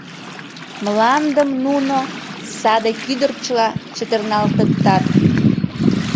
Мландым нуно саде кӱдырчыла чытырналтыктат.